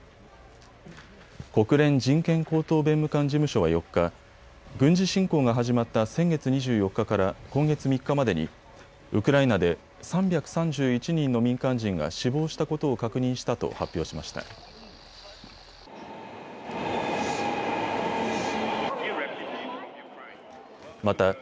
国連人権高等弁務官事務所は４日、軍事侵攻が始まった先月２４日から今月３日までにウクライナで３３１人の民間人が死亡したことを確認したと発表しました。